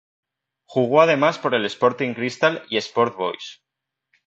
Jugó además por el Sporting Cristal y Sport Boys.